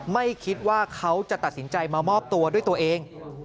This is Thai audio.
ไม่คิดว่าเขาจะตัดสินใจมามอบตัวด้วยตัวเอง